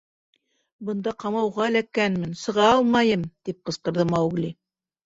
— Бында ҡамауға эләккәнмен, сыға алмайым! — тип ҡысҡырҙы Маугли.